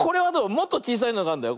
もっとちいさいのがあるんだよ。